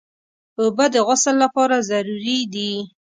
اوبه د غسل لپاره ضروري دي.